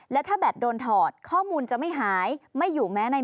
และถ้าแบตโดนถอดข้อมูลจะไม่หาย